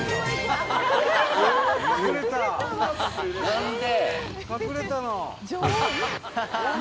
何で？